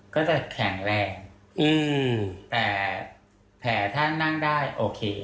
ก็จะแข็งแรงแต่แผลถ้านั่งได้โอเค